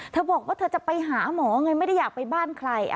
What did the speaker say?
บอกว่าเธอจะไปหาหมอไงไม่ได้อยากไปบ้านใคร